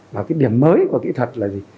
và cái điểm mới của kỹ thuật là gì